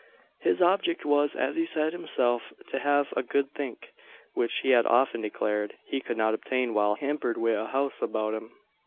His object was, as he said himself, to have "a good think;" which, he had often declared, he could not obtain while "hampered wi' a house abeout him."